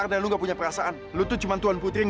kamu gak boleh kalah sama penyakit ini